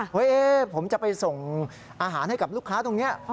ว่าผมจะไปส่งอาหารให้กับลูกค้าตรงนี้